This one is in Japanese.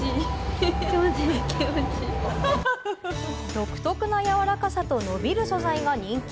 独特なやわらかさと伸びる素材が人気。